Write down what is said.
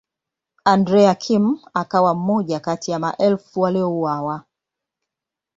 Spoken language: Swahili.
Andrea Kim akawa mmoja kati ya maelfu waliouawa.